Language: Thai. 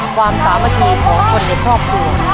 ความสามัคคีของคนในครอบครัว